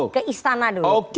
ke istana dulu